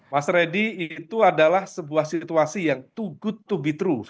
mas reddy itu adalah sebuah situasi yang to good to be troove